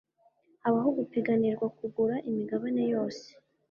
habaho gupiganira kugura imigabane yose